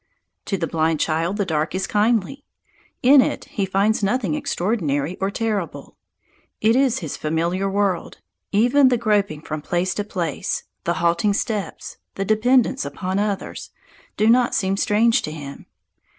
To the blind child the dark is kindly. In it he finds nothing extraordinary or terrible. It is his familiar world; even the groping from place to place, the halting steps, the dependence upon others, do not seem strange to him.